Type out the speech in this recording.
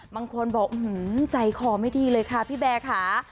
บางคนบอกใจคอไม่ดีเลยค่ะพี่แบร์ค่ะ